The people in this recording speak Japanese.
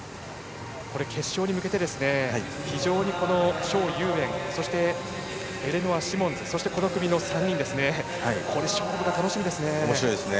決勝に向けて、非常に蒋裕燕そしてエレノア・シモンズそしてこの組の３人勝負が楽しみですね。